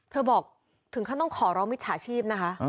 บอกถึงขั้นต้องขอร้องมิจฉาชีพนะคะ